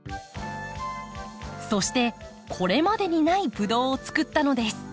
そしてこれまでにないブドウをつくったのです。